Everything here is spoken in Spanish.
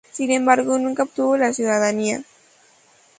Sin embargo, nunca obtuvo la ciudadanía.